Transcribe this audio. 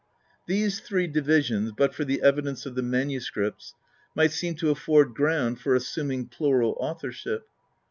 These three divisions, but for the evidence of the manu scripts, might seem to afford ground for assuming plural authorship.